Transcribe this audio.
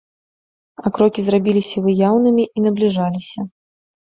А крокі зрабіліся выяўнымі і набліжаліся.